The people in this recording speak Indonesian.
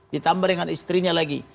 ditambah dengan istrinya lagi